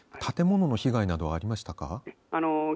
建物の被害などはありましたか。